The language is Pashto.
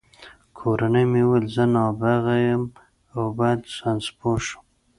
کورنۍ مې ویل زه نابغه یم او باید ساینسپوه شم